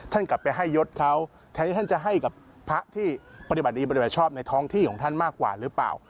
กลับไปให้ยศเขาแทนที่ท่านจะให้กับพระที่ปฏิบัติดีปฏิบัติชอบในท้องที่ของท่านมากกว่าหรือเปล่า